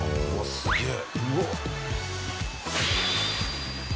すげえ！